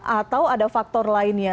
atau ada faktor lainnya